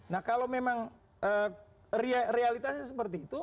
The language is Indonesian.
nah kalau memang realitasnya seperti itu